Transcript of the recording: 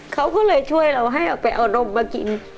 เขาก็เลยช่วยเราให้เอาไปเอานมมากิน